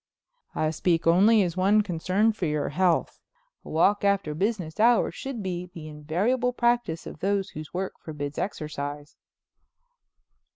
"I speak only as one concerned for your health. A walk after business hours should be the invariable practice of those whose work forbids exercise."